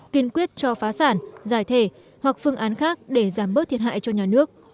kiên quyết cho phá sản giải thể hoặc phương án khác để giảm bớt thiệt hại cho nhà nước